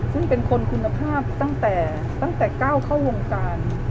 ซึ่งเป็นคนคุณภาพตั้งแต่ตั้งแต่ก้าวเข้าวงการ